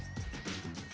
terima kasih banyak